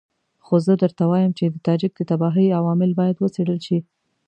خو زه درته وایم چې د تاجک د تباهۍ عوامل باید وڅېړل شي.